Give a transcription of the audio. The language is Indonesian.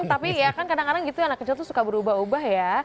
tapi ya kan kadang kadang gitu anak kecil tuh suka berubah ubah ya